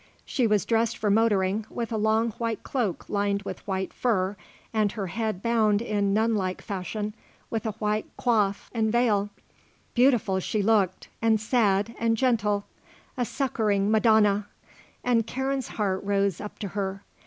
She was dressed for motoring, with a long white cloak lined with white fur and her head bound in nun like fashion with a white coif and veil. Beautiful she looked, and sad, and gentle; a succouring Madonna; and Karen's heart rose up to her.